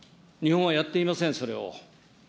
日本はやっていません、それを。